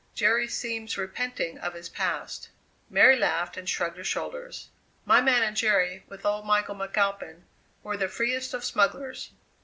Jerry seems repenting of his past." Mary laughed and shrugged her shoulders. "My man and Jerry, with old Michael McAlpin, were the freest of smugglers.